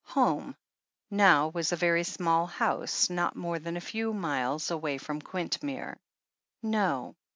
"Home" now was a very small house, not more than a few miles away from Quintmere. "No."